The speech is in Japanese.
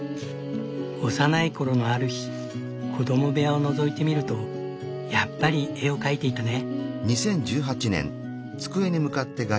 幼い頃のある日子ども部屋をのぞいてみるとやっぱり絵を描いていたね。